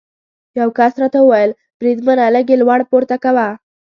یو کس راته وویل: بریدمنه، لږ یې لوړ پورته کوه.